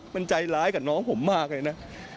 มันใจร้ายกับน้องผมมากเลยนะ